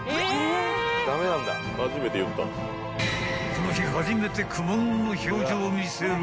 ［この日初めて苦悶の表情を見せる］